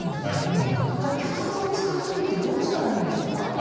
じゃあ、脚立を使う時ってどうしたらいいんでしょうか。